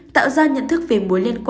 tạo ra nhận thức về mối liên tục